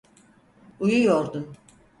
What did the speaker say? Uyuyordun.